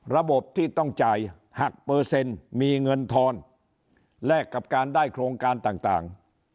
ระบบที่ต้องจ่ายหักเปอร์เซ็นต์มีเงินทอนแลกกับการได้โครงการต่าง